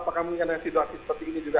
apakah mengenai situasi seperti ini juga